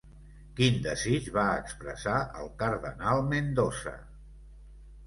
Quin desig va expressar el cardenal Mendoza?